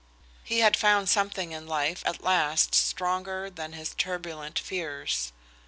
He had found something in life at last stronger than his turbulent fears.